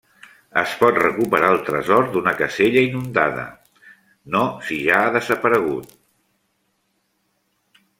Es pot recuperar el tresor d'una casella inundada, no si ja ha desaparegut.